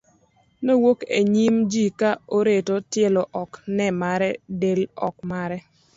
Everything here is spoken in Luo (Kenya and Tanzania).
nowuok e nyim ji ka oreto, tielo ok ne mare, del ok mare